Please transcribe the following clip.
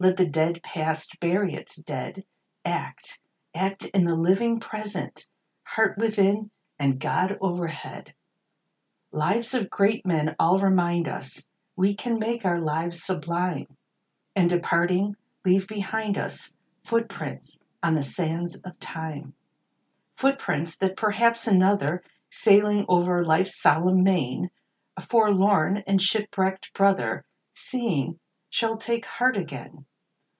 Let the dead Past bury its dead ! Act, — act in the living Present ! Heart within, and God o'erhead ! A PSALM OF LIFE. Lives of great men all remind us We can make our lives sublime, And, departing, leave behind us Footsteps on the sands of time ; Footsteps, that perhaps another, Sailing o'er life's solemn main, A forlorn and shipwrecked brother, Seeing, shall take heart again.